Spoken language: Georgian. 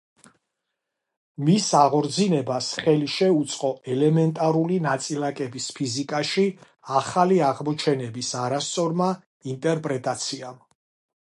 მის აღორძინებას ხელი შეუწყო ელემენტარული ნაწილაკების ფიზიკაში ახალი აღმოჩენების არასწორმა ინტერპრეტაციამ.